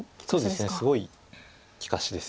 すごい利かしです。